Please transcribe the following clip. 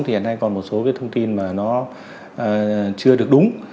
thì hiện nay còn một số cái thông tin mà nó chưa được đúng